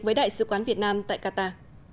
với đại sứ quán việt nam tại qatar